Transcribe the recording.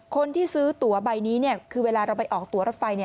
คนที่ซื้อตัวใบนี้คือเวลาเราไปออกตัวรถไฟ